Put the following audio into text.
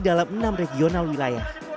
dalam enam regional wilayah